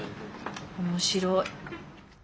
面白い。